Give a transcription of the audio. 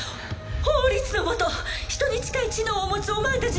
法律のもとヒトに近い知能を持つお前たち